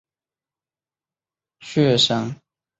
冠山雀会在残株的穴上筑巢。